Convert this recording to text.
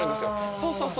そうそう！